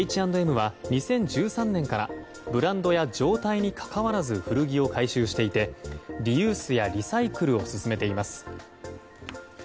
Ｈ＆Ｍは２０１３年からブランドや状態にかかわらず古着を回収していてリユースやリサイクルを進めています。